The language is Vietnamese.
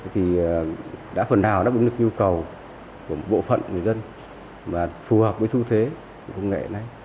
thì đã phần nào đáp ứng được nhu cầu của một bộ phận người dân và phù hợp với xu thế của công nghệ này